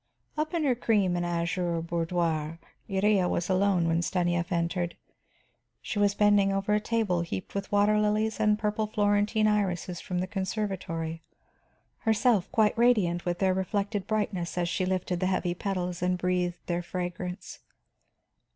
Up in her cream and azure boudoir, Iría was alone when Stanief entered. She was bending over a table heaped with water lilies and purple Florentine irises from the conservatory, herself quite radiant with their reflected brightness as she lifted the heavy petals and breathed their fragrance.